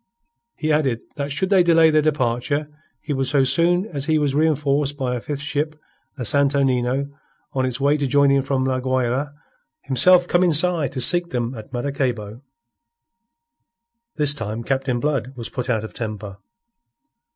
He added that should they delay their departure, he would so soon as he was reenforced by a fifth ship, the Santo Nino, on its way to join him from La Guayra, himself come inside to seek them at Maracaybo. This time Captain Blood was put out of temper.